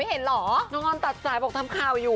เออนะค่ะ